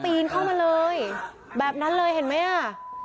ปีนเข้ามาเลยแบบนั้นเลยเห็นไหมอ่ะ